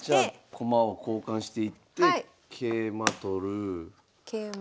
駒を交換していって桂馬取る。